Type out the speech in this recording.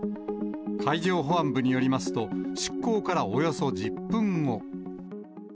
海上保安部によりますと、出港からおよそ１０分後。